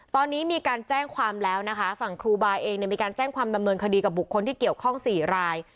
ตอนนี้มีการแจ้งความแล้วนะคะฝั่งครูบาเองเนี่ยมีการแจ้งความดำเนินคดีกับบุคคลที่เกี่ยวข้อง๔ราย